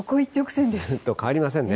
変わりませんね。